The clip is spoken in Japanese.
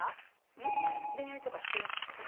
恋愛とかしてるんですか？